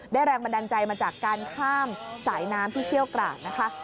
แรงบันดาลใจมาจากการข้ามสายน้ำที่เชี่ยวกราดนะคะ